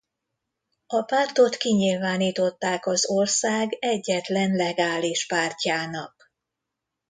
A Pártot kinyilvánították az ország egyetlen legális pártjának.